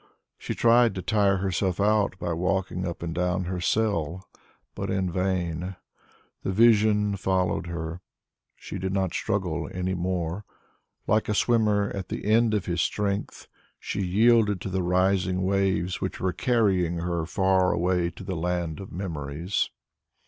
She tried to tire herself out by walking up and down her cell, but in vain; the vision followed her. She did not struggle any more; like a swimmer at the end of his strength, she yielded to the rising waves which were carrying her far away to the land of memories.